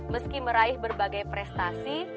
meski meraih berbagai prestasi